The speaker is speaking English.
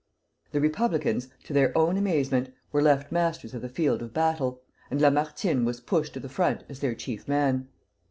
The republicans, to their own amazement, were left masters of the field of battle, and Lamartine was pushed to the front as their chief man.